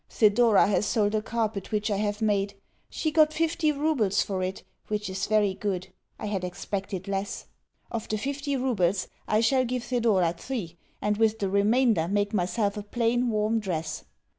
Thedora has sold a carpet which I have made. She got fifty roubles for it, which is very good I had expected less. Of the fifty roubles I shall give Thedora three, and with the remainder make myself a plain, warm dress.